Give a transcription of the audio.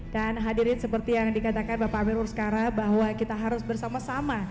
dan hadirin seperti yang dikatakan bapak amir ruzqara bahwa kita harus bersama sama